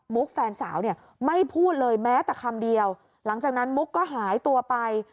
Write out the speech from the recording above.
แฟนสาวเนี่ยไม่พูดเลยแม้แต่คำเดียวหลังจากนั้นมุกก็หายตัวไป